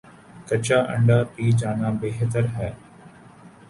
کچا انڈہ پی جانا بہتر ہے